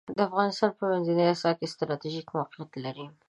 افغانستان په منځنۍ اسیا کې ستراتیژیک موقیعت لری .